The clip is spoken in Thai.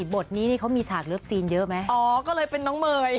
บทนี้นี่เขามีฉากเลิฟซีนเยอะไหมอ๋อก็เลยเป็นน้องเมย์